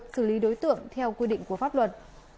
xử lý đối tượng theo quy định của pháp luật